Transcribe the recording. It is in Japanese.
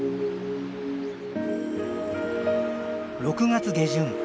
６月下旬。